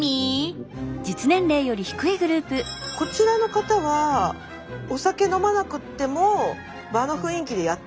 こちらの方はお酒飲まなくっても場の雰囲気でやっていけそう。